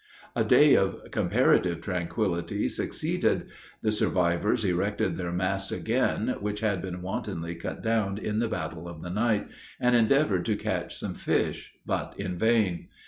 A day of comparative tranquillity succeeded. The survivors erected their mast again, which had been wantonly cut down in the battle of the night; and endeavored to catch some fish, but in vain.